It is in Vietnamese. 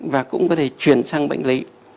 và cũng có thể chuyển sang bệnh lý